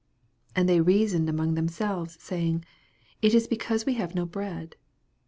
16 And they reasoned among them selves, saying, It is because we have no bread.